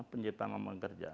penciptaan lapangan kerja